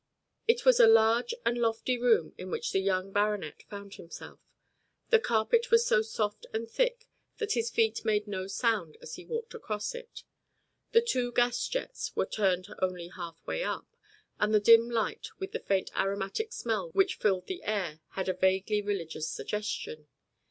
It was a large and lofty room in which the young baronet found himself. The carpet was so soft and thick that his feet made no sound as he walked across it. The two gas jets were turned only half way up, and the dim light with the faint aromatic smell which filled the air had a vaguely religious suggestion.